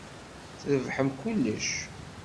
Trebḥem kullec.